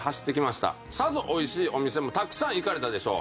さぞ美味しいお店もたくさん行かれたでしょう。